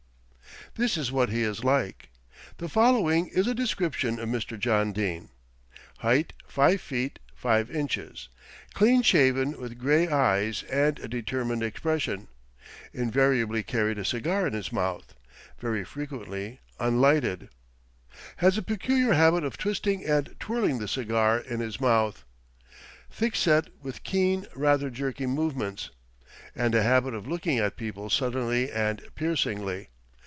~THIS IS WHAT HE IS LIKE.~ "The following is a description of Mr. John Dene: Height 5 ft. 5 ins. Clean shaven with grey eyes and a determined expression, invariably carried a cigar in his mouth, very frequently unlighted. Has a peculiar habit of twisting and twirling the cigar in his mouth. Thick set with keen, rather jerky movements, and a habit of looking at people suddenly and piercingly.